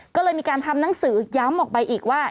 ก็เลยมีการทำหนังสือย้ำออกไปอีกว่า